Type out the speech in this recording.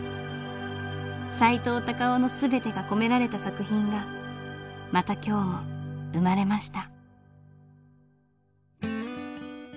さいとう・たかをの全てが込められた作品がまた今日も生まれました。